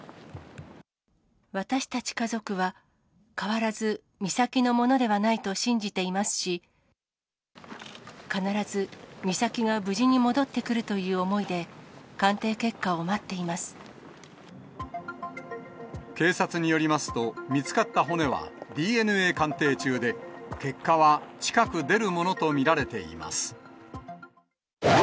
私たち家族は、変わらず美咲のものではないと信じていますし、必ず美咲が無事に戻ってくるという思いで、鑑定結果を待っていま警察によりますと、見つかった骨は、ＤＮＡ鑑定中で、結果は近く出るものと見られています。